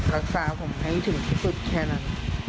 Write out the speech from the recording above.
รักษาผมให้ถึงที่สุดแค่นั้น